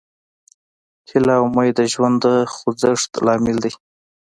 هیله او امید د ژوند د خوځښت لامل دی.